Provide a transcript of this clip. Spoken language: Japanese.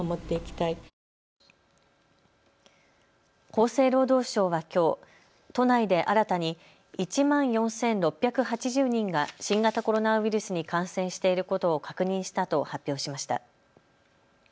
厚生労働省はきょう都内で新たに１万４６８０人が新型コロナウイルスに感染していることを確認したと発表しました。